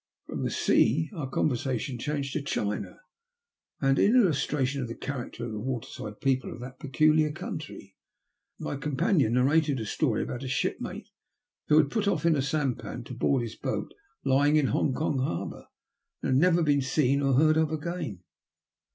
From the sea our conversation changed to China, and in illustration of the character of the waterside people of that peculiar country, my companion narrated a story about a shipmate who had put off in a sampan to board his boat lying in Hong Kong harbour, and had never been seen or heard of again.